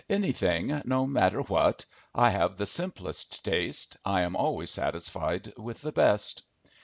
"Anything, no matter what. I have the simplest tastes. I am always satisfied with the best."